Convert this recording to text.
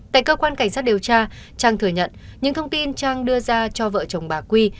tại cơ quan cảnh sát điều tra trang thừa nhận những thông tin trang đưa ra cho vợ chồng bà quy